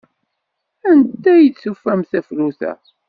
Anda ay tufam tafrut-a?